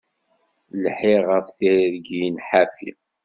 Lḥiɣ ɣef tergin ḥafi.